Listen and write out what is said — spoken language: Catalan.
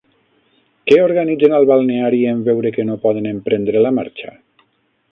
Què organitzen al balneari en veure que no poden emprendre la marxa?